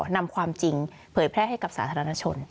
นำความจริงเผยแพร่ให้กับสาธารณชน